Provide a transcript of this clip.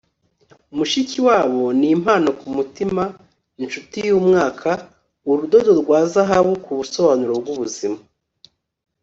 mushikiwabo ni impano kumutima. inshuti yumwuka. urudodo rwa zahabu ku busobanuro bw'ubuzima